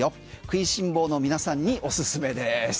食いしん坊の皆さんにおすすめです。